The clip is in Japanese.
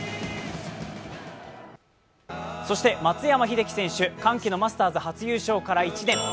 そして松山英樹選手、歓喜のマスターズ優勝から１年。